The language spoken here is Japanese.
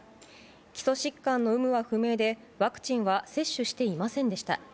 基礎疾患の有無は不明でワクチンは接種していませんでした。